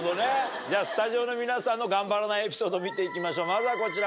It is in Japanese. じゃスタジオの皆さんの頑張らないエピソード見ていきましょうまずはこちら。